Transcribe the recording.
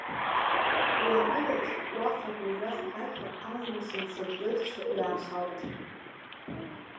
Уи атәылаҿ уаҟа агәырҩа хьшәашәа аламыс-мцабз ырцәо иаахылт.